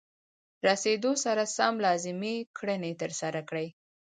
رسیدو سره سم لازمې کړنې ترسره کړئ.